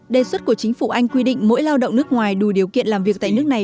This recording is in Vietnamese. đề xuất của chính phủ anh quy định mỗi lao động nước ngoài đủ điều kiện làm việc tại nước này